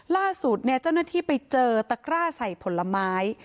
ล่าสุดเนี่ยเจ้าหน้าที่ไปเจอตะกร้าใส่ผลไม้